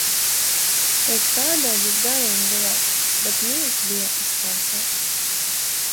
Pēc pārbaudes gājām gulēt, bet miegs bija iztraucēts.